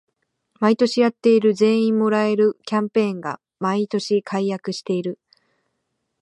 毎年やってる全員もらえるキャンペーンが毎年改悪してる